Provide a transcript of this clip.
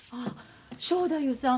正太夫さん